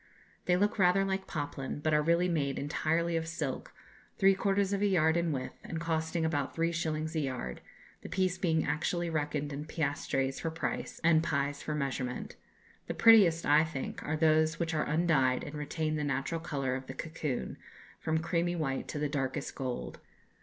They look rather like poplin, but are really made entirely of silk, three quarters of a yard in width, and costing about three shillings a yard, the piece being actually reckoned in piastres for price and pies for measurement. The prettiest, I think, are those which are undyed and retain the natural colour of the cocoon, from creamy white to the darkest gold.